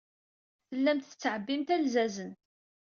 Tellamt tettɛebbimt alzazen.